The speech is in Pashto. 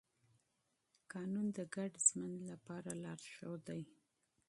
قانون د ګډ ژوند لپاره لارښود دی.